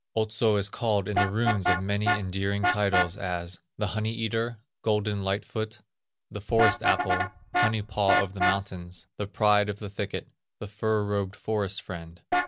Otso is called in the runes by many endearing titles as "The Honey Eater," "Golden Light Foot," "The Forest Apple," "Honey Paw of the Mountains," "The Pride of the Thicket," "The Fur robed Forest Friend."